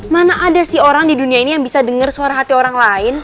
mana ada sih orang di dunia ini yang bisa dengar suara hati orang lain